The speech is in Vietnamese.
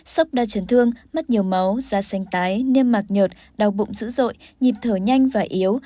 sốc đa chấn thương mất nhiều máu da xanh tái niêm mạc nhột đau bụng dữ dội nhịp thở nhanh và yếu